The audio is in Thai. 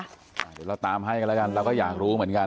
เดี๋ยวเราตามให้กันแล้วกันเราก็อยากรู้เหมือนกัน